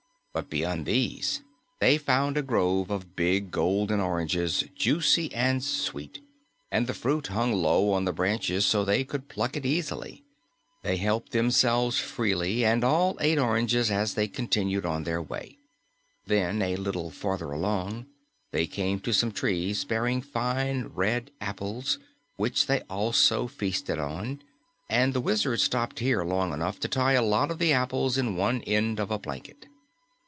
But beyond these they found a grove of big, golden oranges, juicy and sweet, and the fruit hung low on the branches so they could pluck it easily. They helped themselves freely and all ate oranges as they continued on their way. Then, a little farther along, they came to some trees bearing fine, red apples, which they also feasted on, and the Wizard stopped here long enough to tie a lot of the apples in one end of a blanket.